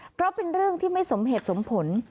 เพราะเป็นเรื่องที่ไม่สมเหตุสมผล